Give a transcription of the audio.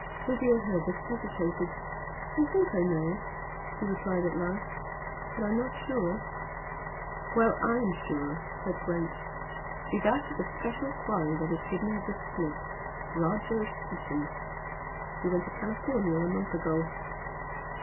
Lydia Herbert hesitated. "I THINK I know," she replied at last "But I'm not sure." "Well, I'M sure" said Gwent "She's after the special quarry that has given her the slip, Roger Seaton. He went to California a month ago."